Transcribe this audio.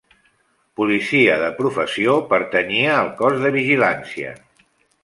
Policia de professió, pertanyia al Cos de Vigilància.